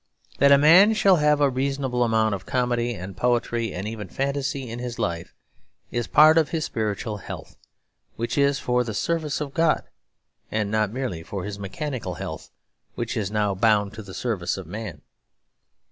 That a man shall have a reasonable amount of comedy and poetry and even fantasy in his life is part of his spiritual health, which is for the service of God; and not merely for his mechanical health, which is now bound to the service of man.